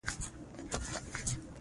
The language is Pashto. او مسلمانان په دې سره بریالي دي.